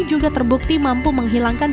juga terbukti mampu menghilangkan